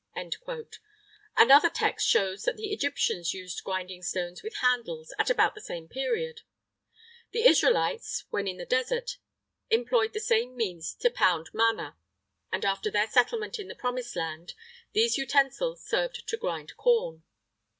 [III 13] Another text shows that the Egyptians used grinding stones with handles, at about the same period.[III 14] The Israelites, when in the Desert, employed the same means to pound manna,[III 15] and after their settlement in the Promised Land, these utensils served to grind corn.